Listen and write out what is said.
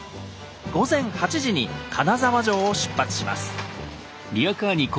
午前８時に金沢城を出発します。